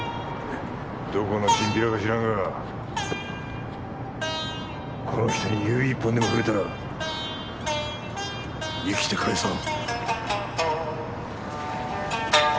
どこのチンピラか知らんがこの人に指一本でも触れたら生きて帰さん。